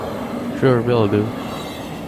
Sure, we all do!